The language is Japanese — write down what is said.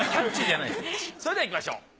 それではいきましょう。